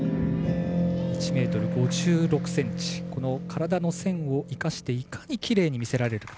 １ｍ５６ｃｍ体の線を生かしていかにきれいに見せられるか。